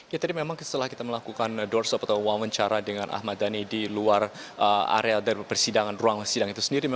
ya tadi memang setelah kita melakukan doorshop atau wawancara dengan ahmad dhani di luar area dari persidangan ruang sidang itu sendiri